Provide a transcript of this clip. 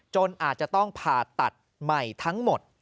อาจจะต้องผ่าตัดใหม่ทั้งหมด